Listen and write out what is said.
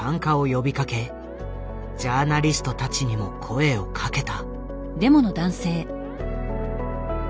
ジャーナリストたちにも声をかけた。